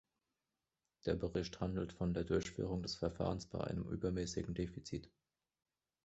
Der Bericht handelt von der Durchführung des Verfahrens bei einem übermäßigen Defizit.